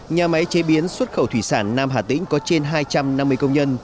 nhà máy chế biến xuất khẩu thủy sản nam hà tĩnh có trên hai trăm năm mươi công nhân